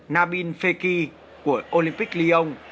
nabil fekir của olympic lyon